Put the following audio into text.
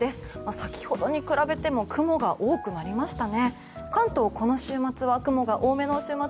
先ほどに比べても雲が多くなりましたね。